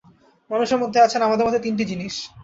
মানুষের মধ্যে আছেন, আমাদের মতে, তিনটি জিনিষ।